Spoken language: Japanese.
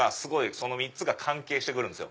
その３つが関係して来るんですよ。